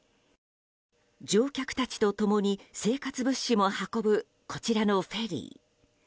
乗客たちと共に生活物資も運ぶこちらのフェリー。